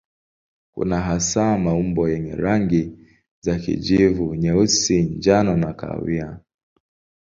Kuna hasa maumbo yenye rangi za kijivu, nyeusi, njano na kahawia.